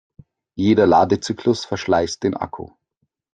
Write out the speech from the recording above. Jeder Ladezyklus verschleißt den Akku.